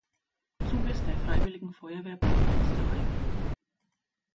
Zuges der Freiwilligen Feuerwehr Bad Münstereifel.